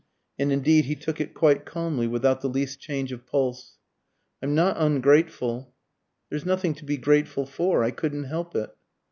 And indeed he took it quite calmly, without the least change of pulse. "I'm not ungrateful " "There's nothing to be grateful for. I couldn't help it."